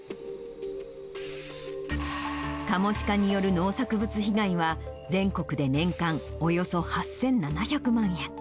カモシカによる農作物被害は、全国で年間およそ８７００万円。